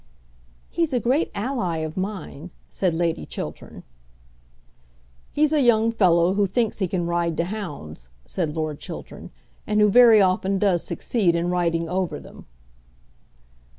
"He's a great ally of mine," said Lady Chiltern. "He's a young fellow who thinks he can ride to hounds," said Lord Chiltern, "and who very often does succeed in riding over them."